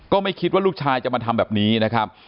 ก็ไม่คิดว่าลูกชายจะมาทำแบบนี้นะครับ